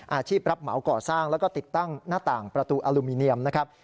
อาชีพรับเหมาก่อสร้างแล้วก็ติดตั้งหน้าต่างประตูอลูมิเนียมนะครับ